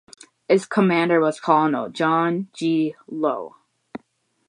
Its commander was Colonel John G. Lowe.